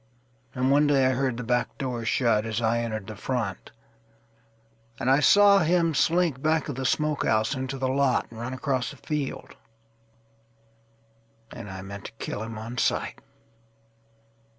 And one day I heard the back door shut, As I entered the front, and I saw him slinkBack of the smokehouse into the lot, And run across the field. And I meant to kill him on sight.